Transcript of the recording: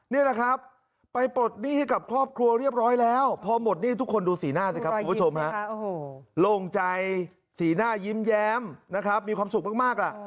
นี่แหละครับไปปลดหนี้ให้กับครอบครัวเรียบร้อยแล้วพอหมดหนี้ทุกคนดูสีหน้าสิครับคุณผู้ชมฮะโล่งใจสีหน้ายิ้มแย้มนะครับมีความสุขมากล่ะ